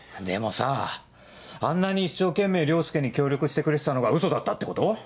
でもさあんなに一生懸命凌介に協力してくれてたのがウソだったってこと？